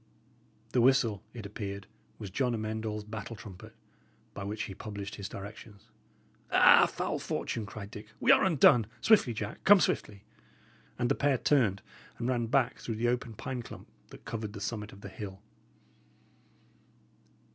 The whistle, it appeared, was John Amend All's battle trumpet, by which he published his directions. "Ah, foul fortune!" cried Dick. "We are undone. Swiftly, Jack, come swiftly!" And the pair turned and ran back through the open pine clump that covered the summit of the hill.